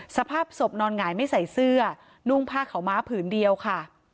สภาพศพนอนหงายไม่ใส่เสื้อนุ่งผ้าขาวม้าผืนเดียวค่ะ